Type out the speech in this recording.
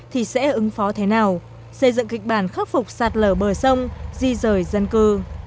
thì sẽ ứng phó thế nào xây dựng kịch bản khắc phục sạt lở bờ sông di rời dân cư